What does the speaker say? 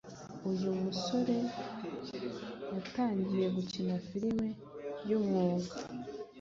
Uyu musore yatangiye gukina film by’umwuga